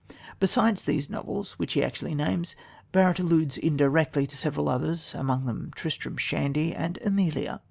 Besides these novels, which he actually names, Barrett alludes indirectly to several others, among them Tristram Shandy and Amelia.